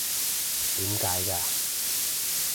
點解嘅？